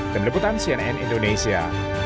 demi deputan cnn indonesia